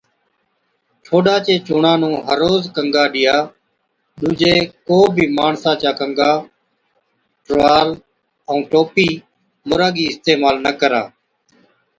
ٺوڏا چي چُونڻان نُُون هر روز گنگا ڏِيا، ڏُوجي ڪو بِي ماڻسا چا ڪنگا، ٽروال ائُون ٽوپِي مُراگِي اِستعمال نہ ڪرا۔